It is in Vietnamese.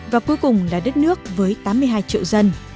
và cuối cùng là đất nước với tám mươi hai triệu dân